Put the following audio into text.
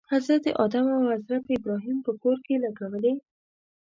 حضرت آدم او حضرت ابراهیم په کور کې لګولی.